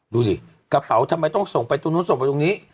ดูดิกระเป๋าทำไมต้องส่งไปตรงนู้นส่งไปตรงนี้